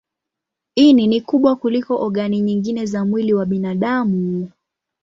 Ini ni kubwa kuliko ogani nyingine za mwili wa binadamu.